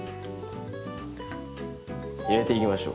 入れていきましょう。